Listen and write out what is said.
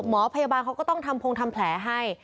หมอพยาบาลเขาก็ต้องทำพงทำแผลให้